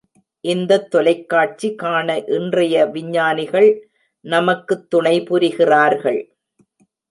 இந்தத் தொலைக்காட்சி காண இன்றைய விஞ்ஞானிகள் நமக்குத் துணை புரிகிறார்கள்.